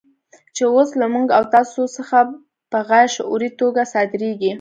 چې اوس له موږ او تاسو څخه په غیر شعوري توګه صادرېږي.